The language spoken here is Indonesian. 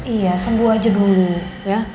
iya sembuh aja dulu ya